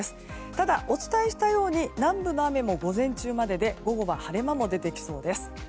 ただ、お伝えしたように南部の雨も午前中までで午後は晴れ間も出てきそうです。